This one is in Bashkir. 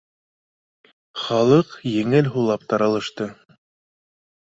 Халыҡ еңел һулап таралышты